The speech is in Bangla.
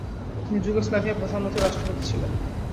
তিনি যুগোস্লাভিয়ার প্রধানমন্ত্রী ও রাষ্ট্রপতি ছিলেন।